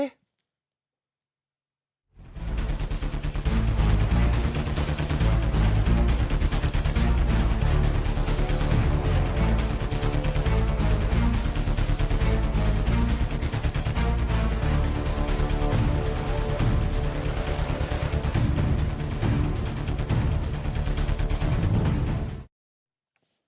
สิอาทิตย์